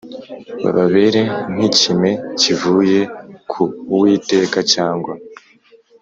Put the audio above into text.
bababere nk ikime kivuye ku Uwiteka cyangwa